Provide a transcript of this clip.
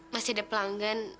masih ada pelanggan